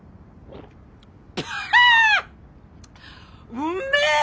うんめえ！